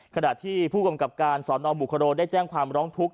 ขณะที่ผู้กำกับการสอนอบุคโรได้แจ้งความร้องทุกข์